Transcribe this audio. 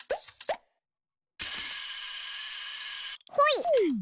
ほい！